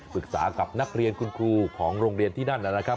ปรึกษากับนักเรียนคุณครูของโรงเรียนที่นั่นนะครับ